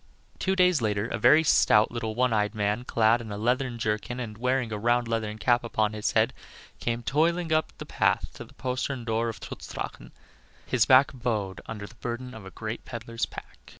Two days later a very stout little one eyed man, clad in a leathern jerkin and wearing a round leathern cap upon his head, came toiling up the path to the postern door of Trutz Drachen, his back bowed under the burthen of a great peddler's pack.